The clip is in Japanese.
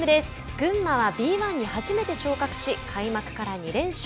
群馬はＢ１に初めて昇格し開幕から２連勝。